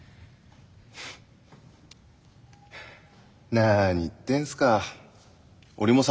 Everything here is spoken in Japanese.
なに言ってんすか。